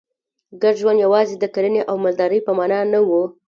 ګډ ژوند یوازې د کرنې او مالدارۍ په معنا نه و.